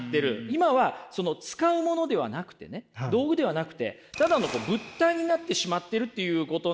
今はその使うものではなくてね道具ではなくてただの物体になってしまっているということなんですよね。